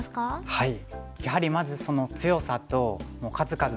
はい。